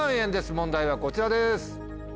問題はこちらです。